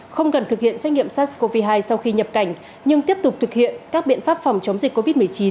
không cần thực hiện xét nghiệm sars cov hai sau khi nhập cảnh nhưng tiếp tục thực hiện các biện pháp phòng chống dịch covid một mươi chín